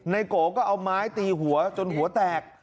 โกก็เอาไม้ตีหัวจนหัวแตก